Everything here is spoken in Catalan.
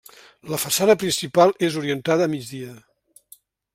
La façana principal és orientada a migdia.